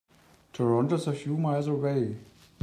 Toronto is a few miles away.